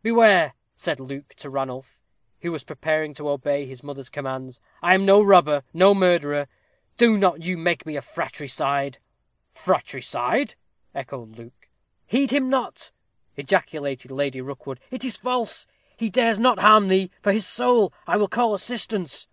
"Beware!" said Luke to Ranulph, who was preparing to obey his mother's commands; "I am no robber no murderer. Do not you make me a fratricide." "Fratricide!" echoed Ranulph. "Heed him not," ejaculated Lady Rookwood. "It is false he dares not harm thee, for his soul. I will call assistance."